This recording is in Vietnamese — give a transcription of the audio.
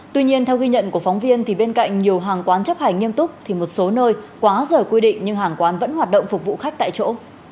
tuy nhiên theo ghi nhận của phóng viên thì bên cạnh nhiều hàng quán chấp hành nghiêm túc thì một số nơi quá giờ quy định nhưng hàng quán vẫn hoạt động phục vụ khách tại chỗ